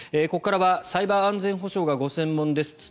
ここからはサイバー安全保障がご専門です